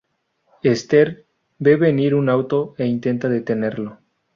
Esther ve venir un auto e intenta detenerlo.